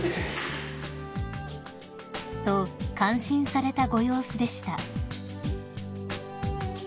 ［と感心されたご様子でした］